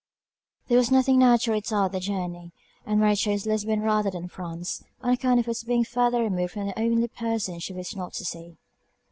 There was nothing now to retard their journey; and Mary chose Lisbon rather than France, on account of its being further removed from the only person she wished not to see.